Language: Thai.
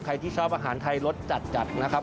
ใครที่ชอบอาหารไทยรสจัดจัดนะครับ